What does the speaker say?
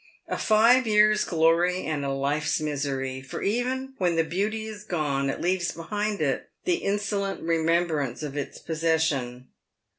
A five years' glory and a life's misery ; for even when the beauty is gone, it leaves behind it the insolent remembrance of its possession.